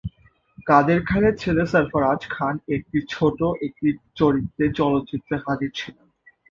কাদের খানের ছেলে সরফরাজ খান একটি ছোট একটি চরিত্রে চলচ্চিত্রে হাজির ছিলেন।